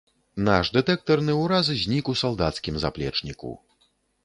Наш дэтэктарны ўраз знік у салдацкім заплечніку.